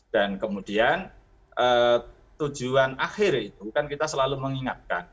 dan kemudian tujuan akhir itu kan kita selalu mengingatkan